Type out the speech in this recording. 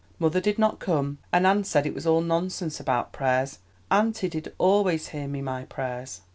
Mother did not come, and Anne said it was all nonsense about prayers. Auntie did always hear me my prayers."